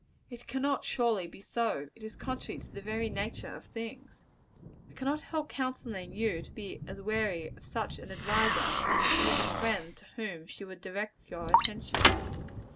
It cannot, surely, be so; it is contrary to the very nature of things. I cannot help counselling you to be as wary of such an adviser, as of the friend to whom she would direct your attention.